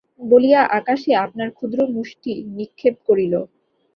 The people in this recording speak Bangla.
বলিয়া আকাশে আপনার ক্ষুদ্র মুষ্টি নিক্ষেপ করিল!